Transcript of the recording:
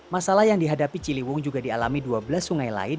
masalah yang dihadapi ciliwung juga dialami dua belas sungai lain